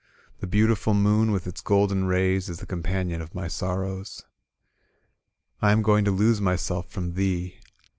The beautiful moon with its golden rays Is the companion of my sorrows. "/ am going to lose myself from thee.